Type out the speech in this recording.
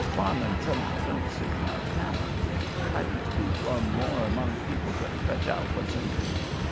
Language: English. Farmin' somehow don't suit my talons. I need to be flung more 'mong people to fetch out what's in me.